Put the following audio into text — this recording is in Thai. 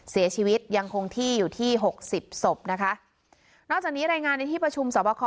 เสียชีวิตยังคงที่อยู่ที่หกสิบศพนะคะนอกจากนี้รายงานในที่ประชุมสอบคอ